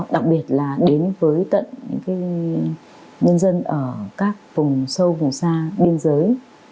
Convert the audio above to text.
đặc biệt là đến với tận những nhân dân ở các vùng sâu vùng xa biên giới